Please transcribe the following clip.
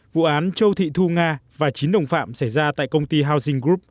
vụ án châu thị thu nga và chín đồng phạm xảy ra tại công ty housing group